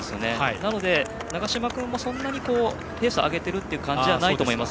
なので、長嶋君もそんなにペースを上げている感じではないと思います。